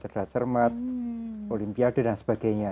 cerdas cermat olimpiade dan sebagainya